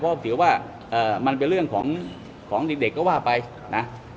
เพราะถือว่ามันเป็นเรื่องของเด็กก็ว่าไปนะ